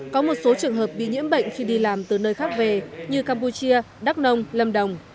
có một số trường hợp bị nhiễm bệnh khi đi làm từ nơi khác về như campuchia đắk nông lâm đồng